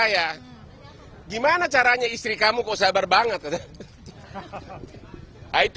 ya nyanyi lama banget